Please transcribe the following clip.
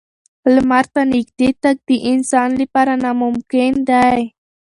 لمر ته نږدې تګ د انسان لپاره ناممکن دی.